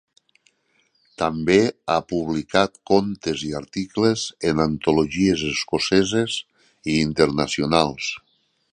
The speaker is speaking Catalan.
També ha publicat contes i articles en antologies escoceses i internacionals.